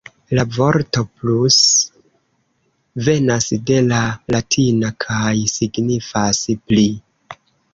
La vorto 'plus' venas de la latina kaj signifas 'pli'.